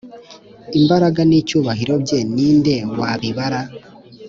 Imbaraga n’icyubahiro bye ni nde wabibara?